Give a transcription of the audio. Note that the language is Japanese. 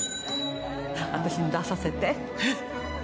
私に出させて。